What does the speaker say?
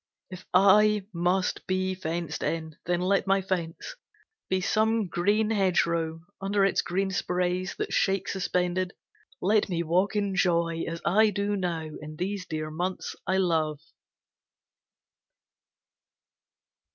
If I must be fenced in, then let my fence Be some green hedgerow; under its green sprays, That shake suspended, let me walk in joy As I do now, in these dear months I love.